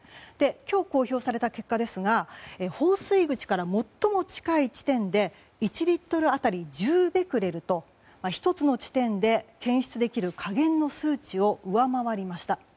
今日、公表された結果ですが放水口から最も近い地点で１リットル当たり１０ベクレルと１つの地点で検出できる下限の数値を上回りました。